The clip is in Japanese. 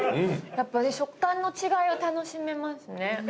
やっぱり食感の違いを楽しめますね。